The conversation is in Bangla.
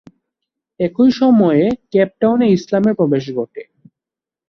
একই সময়ে কেপ টাউনে ইসলামের প্রবেশ ঘটে।